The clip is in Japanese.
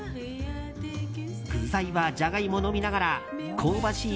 具材はジャガイモのみながら香ばしい